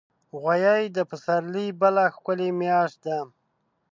غویی د پسرلي بله ښکلي میاشت ده.